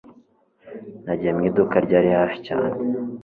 Nagiye mu iduka ryari hafi cyane